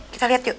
kita lihat yuk